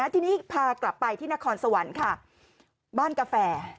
ทีนี้พากลับไปที่นครสวรรค์ค่ะบ้านกาแฟ